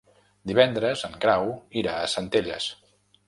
Divendres en Grau irà a Centelles.